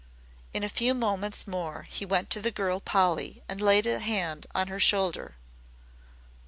In a few moments more he went to the girl Polly and laid a hand on her shoulder.